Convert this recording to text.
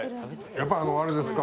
やっぱあれですか？